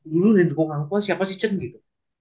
dulu dari dukung hang tuah siapa sih cen gitu